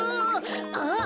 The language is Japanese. あっ！